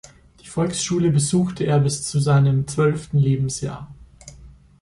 Die Volksschule besuchte er bis zu seinem zwölften Lebensjahr.